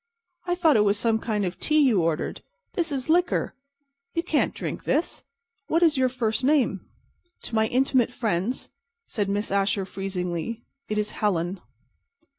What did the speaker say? "I thought it was some kind of tea you ordered. This is liquor. You can't drink this. What is your first name?" "To my intimate friends," said Miss Asher, freezingly, "it is 'Helen.